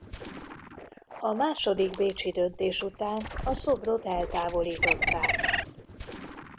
A második bécsi döntés után a szobrot eltávolították.